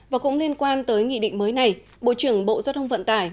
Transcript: và cũng liên quan tới nghị định mới này bộ trưởng bộ giao thông vận tải